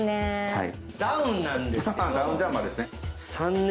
はい。